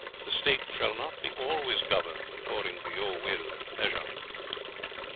The state shall not be always governed according to your will and pleasure."